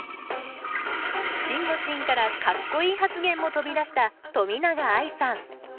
しんごちんからかっこいい発言も飛び出した冨永愛さん。